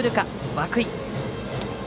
涌井。